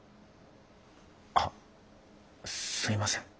あすいません。